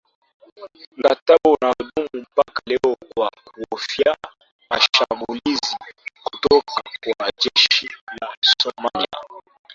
Mkataba unaodumu mpaka leo kwa kuhofia mashambulizi kutoka kwa jeshi la Somalia